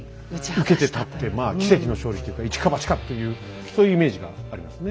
受けて立ってまあ奇跡の勝利というか一か八かっていうそういうイメージがありますね。